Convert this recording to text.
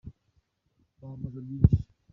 Bambaza byinshi